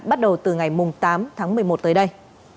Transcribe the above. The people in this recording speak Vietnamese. bắt đầu từ ngày tám tháng một mươi một tới đây